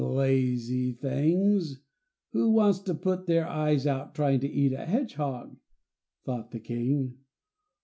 "Lazy things! Who wants to put their eyes out trying to eat a hedgehog?" thought the King.